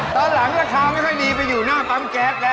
ตอนหลังราคาไม่ค่อยดีไปอยู่หน้าปั๊มแก๊สแล้ว